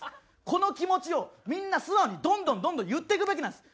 この気持ちをみんな素直にどんどんどんどん言っていくべきなんです。